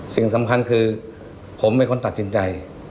สิ่งสำคัญคือผมเป็นคนตัดสินใจ